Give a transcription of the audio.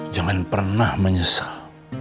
jangan pernah menyesal